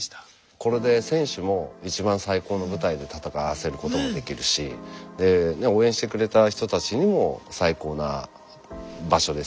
これで選手も一番最高の舞台で戦わせることもできるし応援してくれた人たちにも最高な場所ですし。